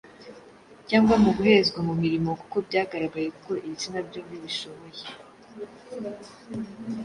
cyangwa mu guhezwa mu mirimo kuko byagaragaye ko ibitsina byombi bishoboye.